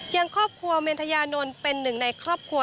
อย่างครอบครัวเมนทยานนท์เป็นหนึ่งในครอบครัว